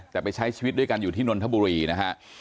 แต่ไปใช้ชีวิตด้วยกันอยู่ที่นนทบุรีนะฮะ